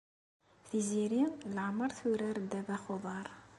Tiziri leɛmer turar ddabex n uḍar.